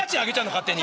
勝手に。